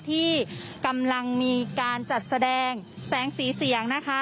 ที่กำลังมีการจัดแสดงแสงสีเสียงนะคะ